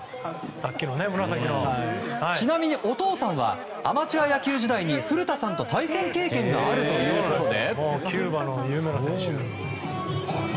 ちなみにお父さんはアマチュア野球時代に古田さんと対戦経験があるということで。